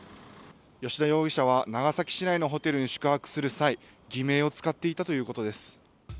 葭田容疑者は長崎市内のホテルで宿泊する際偽名を使っていたということです。